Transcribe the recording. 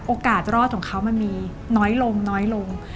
โอกาสรอดของเขามันมีน้อยลง